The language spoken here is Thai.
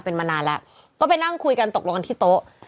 เป็นมานานแล้วก็ไปนั่งคุยกันตกลงกันที่โต๊ะ